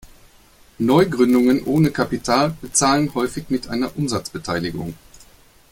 Neugründungen ohne Kapital bezahlen häufig mit einer Umsatzbeteiligung.